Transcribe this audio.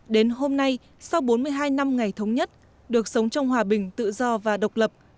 đến hôm nay sau bốn mươi hai năm ngày thống nhất được sống trong hòa bình tự do và độc lập